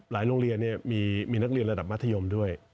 โรงเรียนมีนักเรียนระดับมัธยมด้วย